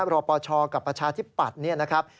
รอปชกับประชาที่ปัดนี่นะครับ